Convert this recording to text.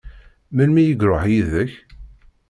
Melmi i iṛuḥ yid-k?